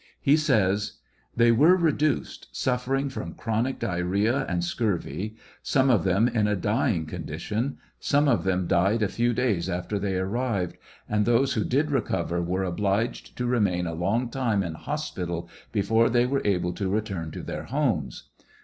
He says.: They weve reduced, suffering from chronic diarrhoea and scurvy; some of them in a dying condition; some of them died a few days after they arrived; and those who did recover were ohliged to remain a long time in hospital before they were able to return to their homes.